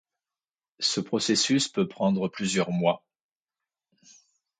Ce processus peut prendre plusieurs mois.